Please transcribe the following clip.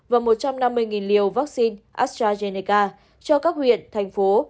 và một trăm năm mươi liều vaccine astrazeneca cho các huyện thành phố